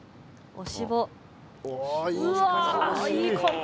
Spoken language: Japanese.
おいい感じ。